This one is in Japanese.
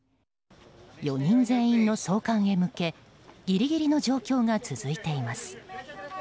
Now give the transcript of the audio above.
４人全員の送還へ向けギリギリの状況が続いています。